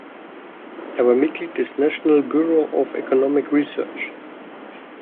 Er war Mitglied des National Bureau of Economic Research.